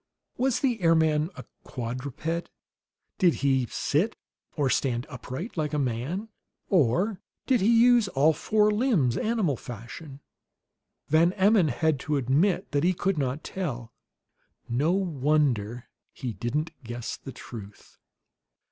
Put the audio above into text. Was the airman a quadruped? Did he sit or stand upright, like a man? Or did he use all four limbs, animal fashion? Van Emmon had to admit that he could not tell; no wonder he didn't guess the truth.